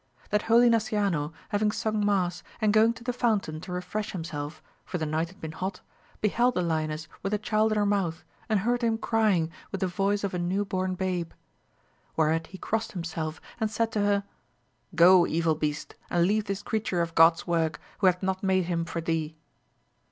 That holy Nasciano having sung ma«s, and going to the fountain to refresh himself, for the night had been hot, beheld the lioness with the child in her mouth, and heard him crying with the voice of a new bom babe. Whereat he crossed himself, and said to her, Go, evil beast, and leave this creature of God*s work, who hath not made him for thee